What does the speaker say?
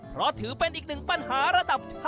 เพราะถือเป็นอีกหนึ่งปัญหาระดับชั้น